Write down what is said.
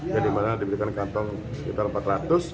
yang dimana diberikan kantong sekitar empat ratus